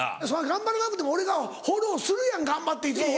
頑張らなくても俺がフォローするやん頑張っていつも。